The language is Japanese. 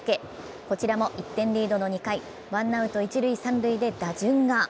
こちらも１点リードの２回ワンアウト一・三塁で打順が。